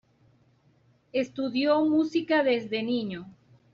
Estudió música desde niño.